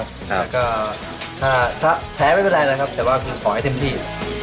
แล้วก็ถ้าแพ้ไม่เป็นไรนะครับแต่ว่าขอให้เต็มที่